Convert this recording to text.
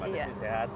pak desi sehat